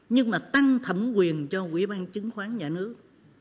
nhưng mà tăng thẩm quyền cho quỹ ban chứng khoán nhà nước